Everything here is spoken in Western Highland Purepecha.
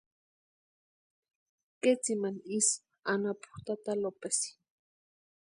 Ketsimani isï anapu tata Lopesi.